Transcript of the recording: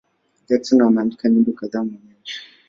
Jackson ameandika nyimbo kadhaa mwenyewe.